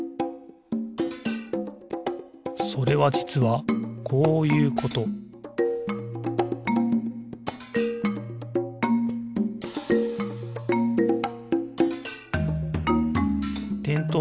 それはじつはこういうことてんとう